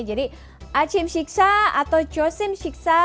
jadi achim siksa atau chosim siksa